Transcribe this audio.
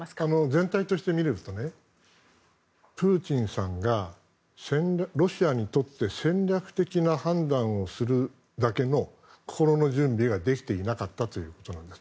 全体として見ればプーチンさんがロシアにとって戦略的な判断をするだけの心の準備ができていなかったということなんです。